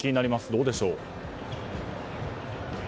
どうでしょう？